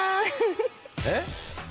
えっ？